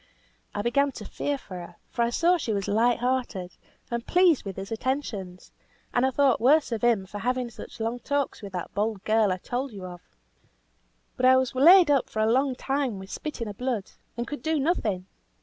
I began to fear for her, for I saw she was light hearted, and pleased with his attentions; and I thought worse of him for having such long talks with that bold girl I told you of. But I was laid up for a long time with spitting of blood; and could do nothing.